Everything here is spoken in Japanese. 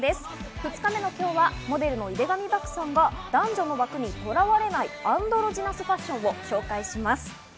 ２日目の今日はモデルの井手上漠さんが男女の枠にとらわれないアンドロジナスファッションを紹介します。